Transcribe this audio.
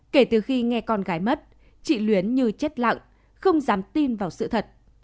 kể từ khi nghe con gái mất chị luyến như chết lặng không dám tin vào sự thật